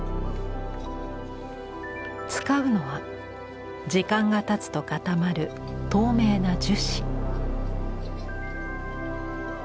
使うのは時間がたつと固まる透明な樹脂。